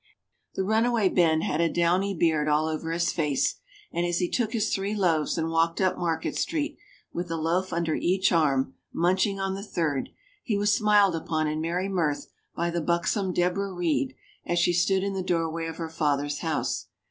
The runaway Ben had a downy beard all over his face, and as he took his three loaves and walked up Market Street, with a loaf under each arm, munching on the third, he was smiled upon in merry mirth by the buxom Deborah Read, as she stood in the doorway of her father's house.